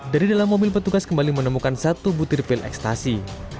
dari dalam mobil petugas kembali menemukan satu butir pil ekstasi